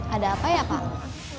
ada apa ya pak